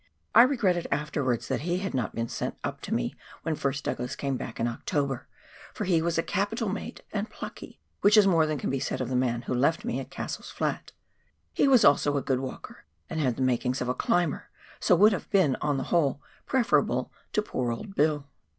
I regretted afterwards that he had not been sent up to me when first Douglas came back in October, for he was a capital mate and plucky, which is more than can be said of the man who left me at Cassell's Flat ; he was also a good walker and had the makings of a climber, so would have been, on the whole, preferable to poor old Bill.